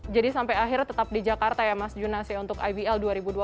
jadi sampai akhir tetap di jakarta ya mas juna untuk ibl dua ribu dua puluh dua